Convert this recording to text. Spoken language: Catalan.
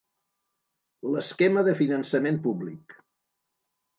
L'esquema de finançament públic.